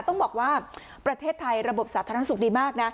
ต้องบอกว่าประเทศไทยระบบสาธารณสุขดีมากนะ